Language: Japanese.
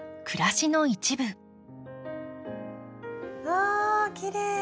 わきれい！